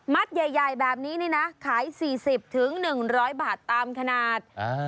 ใหญ่แบบนี้นี่นะขาย๔๐๑๐๐บาทตามขนาด